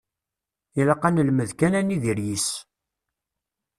Ilaq ad nelmed kan ad nidir yis-s.